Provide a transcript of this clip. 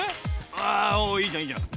あおおいいじゃんいいじゃん。